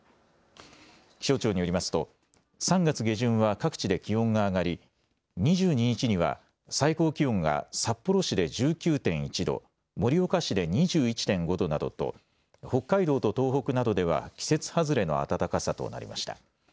気象庁によりますと３月下旬は各地で気温が上がり２２日には最高気温が札幌市で１９．１度、盛岡市で２１．５度などと北海道と東北などでは季節外れの暖かさとなりました。